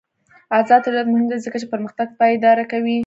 آزاد تجارت مهم دی ځکه چې پرمختګ پایداره کوي.